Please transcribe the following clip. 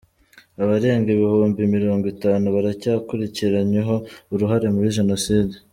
Abarenga ibihumbi mirongo itanu baracyakurikiranyweho uruhare muri Jenoside